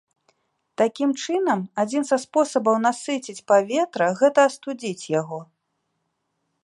Такім чынам, адзін са спосабаў насыціць паветра, гэта астудзіць яго.